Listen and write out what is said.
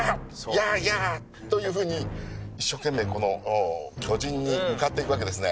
ヤッヤッ！というふうに一生懸命この巨人に向かっていくわけですね。